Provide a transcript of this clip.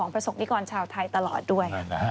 ของประสงค์ภิกรชาวไทยตลอดด้วย